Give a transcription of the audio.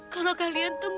kalau kalian tuh gak